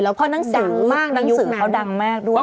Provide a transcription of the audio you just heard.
เพราะนังสือเขาดังมากด้วย